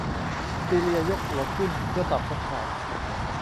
ซีเลียยกหัวขึ้นเพื่อตอบคำถาม